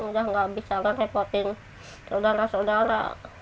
udah gak bisa kan repotin saudara saudara